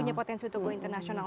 punya potensi untuk go international